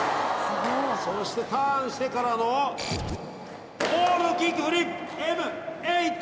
そしてターンしてからのオールドキックフリップｍ８０！